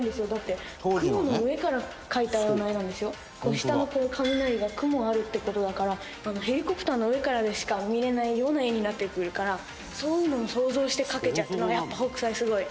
下の雷が雲あるって事だからヘリコプターの上からでしか見れないような絵になってくるからそういうのを想像して描けちゃうっていうのがやっぱ北斎すごい！